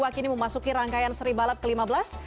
kini memasuki rangkaian seri balap ke lima belas